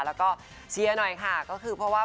แล้วก็เชียร์หน่อยค่ะก็คือเพราะว่า